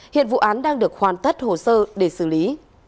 hiện vụ án đang được hoàn tất hồ sơ để xử lý